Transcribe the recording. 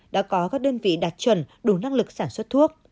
đã có các đơn vị đạt chuẩn đủ năng lực sản xuất thuốc